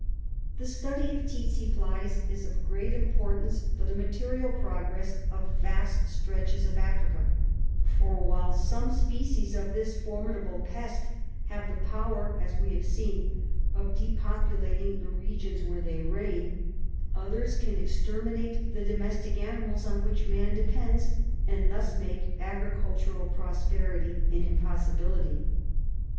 The study of tsetse flies is of great importance for the material progress of vast stretches of Africa, for, while some species of this formidable pest have the power, as we have seen, of depopulating the regions where they reign, others can exterminate the domestic animals on which man de pends, and thus make agricultural prosperity an impossi bility.